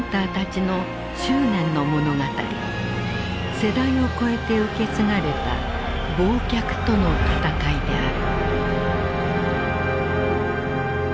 世代を超えて受け継がれた「忘却」との闘いである。